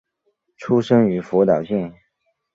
出身于福岛县。